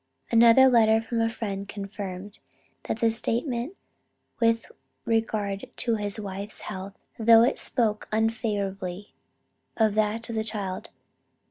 Another letter from a friend confirmed the statement with regard to his wife's health, though it spoke unfavorably of that of the child.